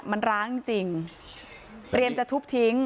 มันร้างจริงเตรียมจะทุบทิ้ง